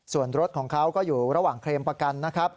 ส่วนรถของเขาก็อยู่ระหว่างเคลมประกันนะครับ